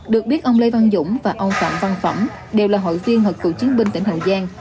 được biết ông lê văn dũng và ông phạm văn phẩm đều là hội viên hội cựu chiến binh tỉnh hậu giang